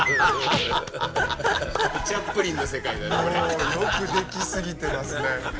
もうよくできすぎてますね。